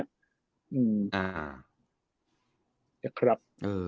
ยังครับ